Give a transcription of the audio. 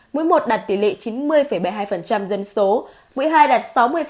mỗi một đạt tỷ lệ chín mươi bảy mươi hai dân số mỗi hai đạt sáu mươi chín mươi sáu